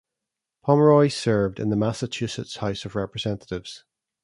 Pomeroy served in the Massachusetts House of Representatives.